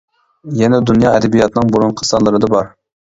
يەنە دۇنيا ئەدەبىياتىنىڭ بۇرۇنقى سانلىرىدا بار.